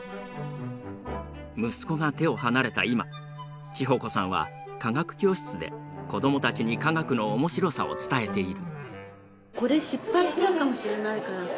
息子が手を離れた今智穂子さんは科学教室で子どもたちに科学の面白さを伝えている。